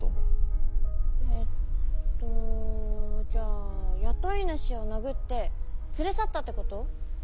えっとじゃあ雇い主を殴って連れ去ったってこと？